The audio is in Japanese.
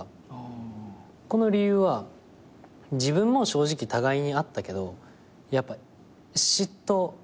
この理由は自分も正直互いにあったけどやっぱ嫉妬。